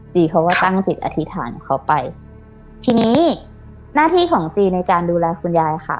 เขาก็ตั้งจิตอธิษฐานของเขาไปทีนี้หน้าที่ของจีในการดูแลคุณยายค่ะ